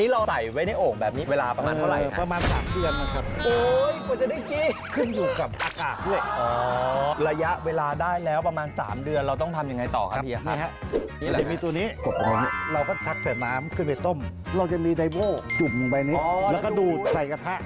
เราจะมีไดโบ้จุ่มลงไปนิดแล้วก็ดูดใส่กระทะ